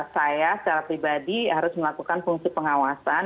saya secara pribadi harus melakukan fungsi pengawasan